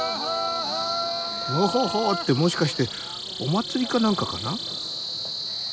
「ウォホホー！」ってもしかしてお祭りか何かかな。